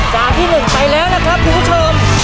จานที่๑ไปแล้วนะครับที่๑๑๑นะครับ